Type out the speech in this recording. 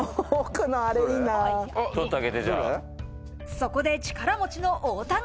そこで力持ちの太田が。